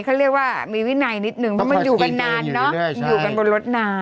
ต้องมีวินัยนิดหนึ่งเพราะมันอยู่กันนานอยู่กันบนรถนาน